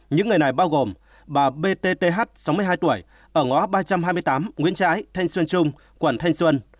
những ngày này bao gồm bà b t t h sáu mươi hai tuổi ở ngõ ba trăm hai mươi tám nguyễn trãi thanh xuân trung quận thanh xuân